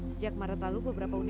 sejak maret lalu beberapa tahun lalu